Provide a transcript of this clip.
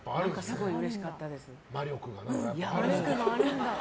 魔力があるんだ。